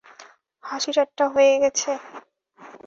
হাসি-ঠাট্টা হয়ে গেছে?